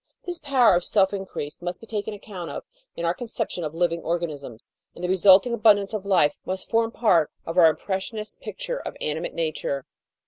This power of self increase must be taken account of in our conception of living organisms, and the resulting abundance of life must form part of our impres sionist picture of Animate Nature.